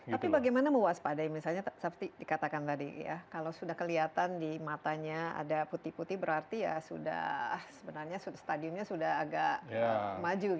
tapi bagaimana mewaspadai misalnya seperti dikatakan tadi ya kalau sudah kelihatan di matanya ada putih putih berarti ya sudah sebenarnya stadiumnya sudah agak maju